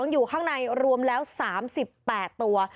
อยู่ข้างในรวมแล้ว๓๘ตัว